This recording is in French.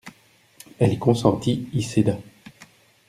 Elle y consentit, y céda.